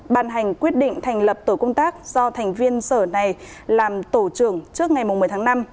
ban hành quyết định thành lập tổ công tác do thành viên sở này làm tổ trưởng trước ngày một mươi tháng năm